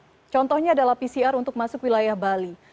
pemerintah ini adalah pcr untuk masuk wilayah bali